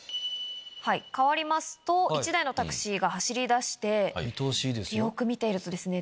変わりますと１台のタクシーが走り出してよく見ているとですね